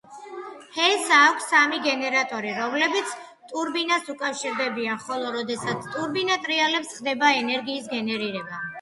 ჰესს აქვს სამი გენერატორი, რომლებიც ტურბინას უკავშირდებიან, ხოლო როდესაც ტურბინა ტრიალებს, ხდება ენერგიის გენერირება.